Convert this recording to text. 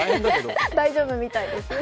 大丈夫みたいですよ。